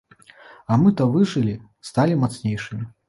А мы то выжылі, сталі мацнейшымі.